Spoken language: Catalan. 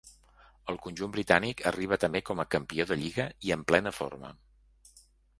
El conjunt britànic arriba també com a campió de lliga i en plena forma.